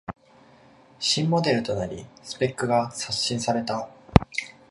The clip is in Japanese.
新モデルとなりスペックが刷新された